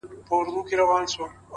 • غرڅه لیري ځغلېدی تر ده د وړاندي ,